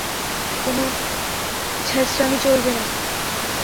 কোনো ছেঁচড়ামি চলবে না!